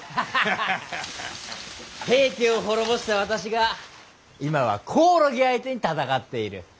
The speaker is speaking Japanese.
平家を滅ぼした私が今はコオロギ相手に戦っている。